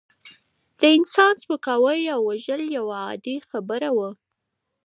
د انسان سپکاوی او وژل یوه عادي خبره وه.